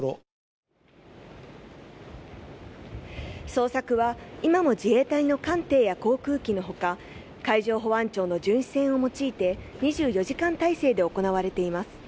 捜索は今も自衛隊の艦艇や航空機のほか、海上保安庁の巡視船を用いて２４時間態勢で行われています。